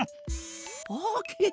オッケー！